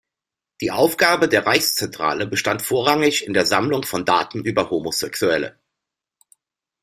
Die Aufgabe der Reichszentrale bestand vorrangig in der Sammlung von Daten über Homosexuelle.